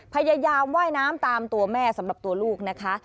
พยายามว่ายน้ำตามตัวแม่สำหรับตัวลูกนะคะ